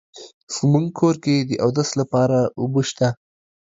زمونږ کور کې د اودس لپاره اوبه شته